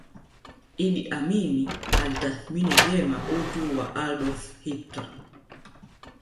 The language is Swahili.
Idi Amin alitathmini vyema utu wa Adolf Hitler